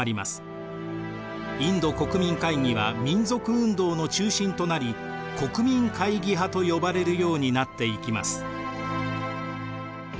インド国民会議は民族運動の中心となり国民会議派と呼ばれるようになっていきます。